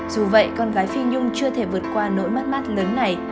dù vậy con gái phi nhung chưa thể vượt qua nỗi mắt mắt lớn này